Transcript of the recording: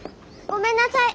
ごめんなさい。